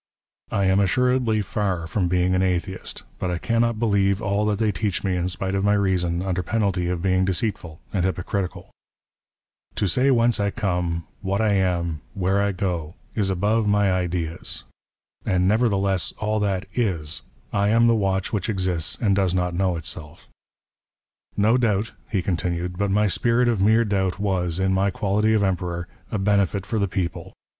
" I am assuredly fiir from being an Atheist ; but I cannot " believe all that they teach me in spite of my reason, under " penalty of being deceitful and hypocritical. " To say whence I come, what I am, where I go, is above 48 WAR OF ANTICHRIST WITH THE CHURCH. " my ideas. And nevertheless all that is^ I am the watch which " exists and does not know itself. " No doubt," he conthiued, " but my spirit of mere doubt " was, in my quality of Emperor, a benefit for the people.